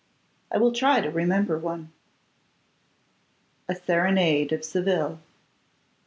I will try to remember one.' A SERENADE OF SEVILLE. I.